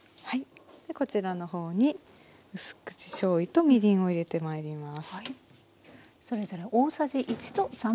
でこちらの方にうす口しょうゆとみりんを入れてまいります。